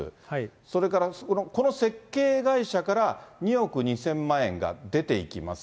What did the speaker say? それからこの設計会社から２億２０００万円が出ていきます。